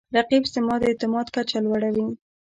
رقیب زما د اعتماد کچه لوړوي